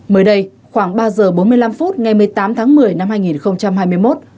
mới đây khoảng ba giờ bốn mươi năm phút ngày một mươi tám tháng một mươi năm hai nghìn hai mươi một